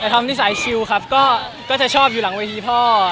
แต่ทำที่สายชิลครับก็จะชอบอยู่หลังเวทีพ่อ